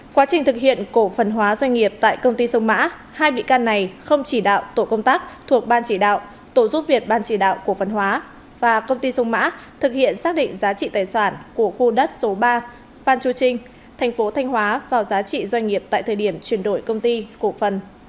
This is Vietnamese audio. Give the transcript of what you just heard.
quá trình thực hiện cổ phần hóa doanh nghiệp tại công ty sông mã hai bị can này không chỉ đạo tổ công tác thuộc ban chỉ đạo tổ giúp việt ban chỉ đạo cổ phần hóa và công ty sông mã thực hiện xác định giá trị tài sản của khu đất số ba phan chu trinh thành phố thanh hóa vào giá trị doanh nghiệp tại thời điểm chuyển đổi công ty cổ phần